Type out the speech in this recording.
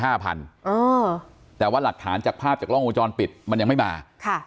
ห้าพันเออแต่ว่าหลักฐานจากภาพจากล้องวงจรปิดมันยังไม่มาค่ะ